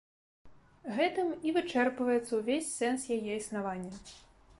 Гэтым і вычэрпваецца ўвесь сэнс яе існавання.